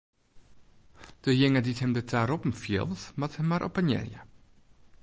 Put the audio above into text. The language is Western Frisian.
Dejinge dy't him derta roppen fielt, moat him mar oppenearje.